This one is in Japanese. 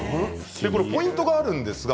ポイントがあるんです。